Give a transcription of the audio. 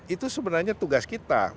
itu sebenarnya tugas kita